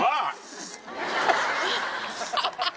ハハハッ！